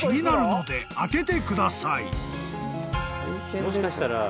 もしかしたら。